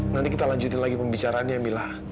nanti kita lanjutin lagi pembicaraannya mila